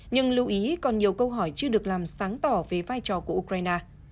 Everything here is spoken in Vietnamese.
nhưng lưu ý còn nhiều câu hỏi chưa được làm sáng tỏ về vai trò của ukraine